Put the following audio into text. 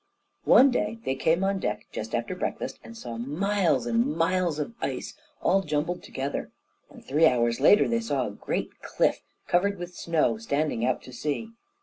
One day they came on deck just after breakfast and saw miles and miles of ice, all jumbled together, and three hours later they saw a great cliff, covered with snow, standing out to sea.